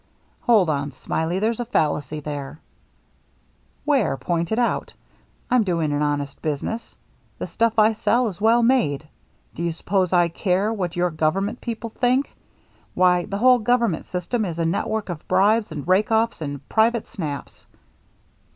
" Hold on. Smiley, there's a fallacy there —" "Where? Point it out. I'm doing an honest business. The stuff I sell is well made. Do you suppose I care what your government people think ? Why, the whole government system is a network of bribes and rake offs and private snaps."